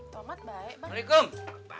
tomat baik bang